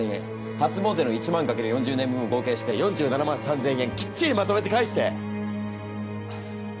初詣の１万掛ける４０年分を合計して４７万３，０００円きっちりまとめて返して！